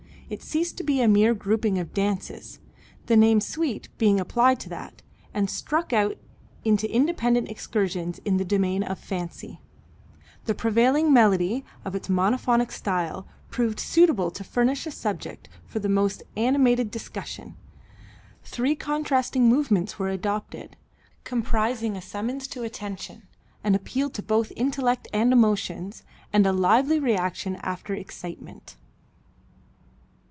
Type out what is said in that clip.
It ceased to be a mere grouping of dances, the name suite being applied to that, and struck out into independent excursions in the domain of fancy. The prevailing melody of its monophonic style proved suitable to furnish a subject for the most animated discussion. Three contrasting movements were adopted, comprising a summons to attention, an appeal to both intellect and emotions, and a lively reaction after excitement.